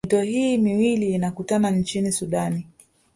Mito hii miwili inakutana nchini sudani